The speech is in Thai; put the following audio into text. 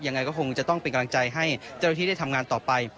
ยังไงก็คงจะต้องเป็นกำลังใจให้เจ้าหน้าที่ได้ทำงานต่อไป